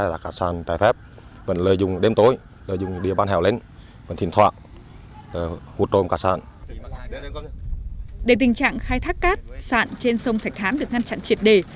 để tình trạng khai thác cát sạn trên sông thạch hãn được ngăn chặn triệt đề